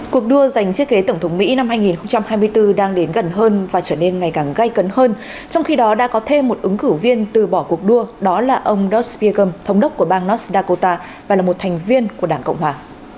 cuộc đua giành chiếc ghế tổng thống mỹ năm hai nghìn hai mươi bốn đang đến gần hơn và trở nên ngày càng gây cấn hơn trong khi đó đã có thêm một ứng cử viên từ bỏ cuộc đua đó là ông dosh piergum thống đốc của bang north dakota và là một thành viên của đảng cộng hòa